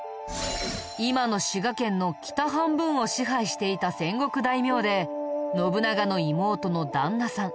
今の滋賀県の北半分を支配していた戦国大名で信長の妹の旦那さん